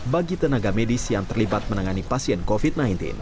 bagi tenaga medis yang terlibat menangani pasien covid sembilan belas